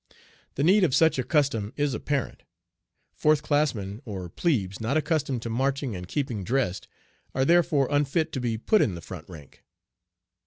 The need of such a custom is apparent. Fourth classmen, or plebes not accustomed to marching and keeping dressed, are therefore unfit to be put in the front rank.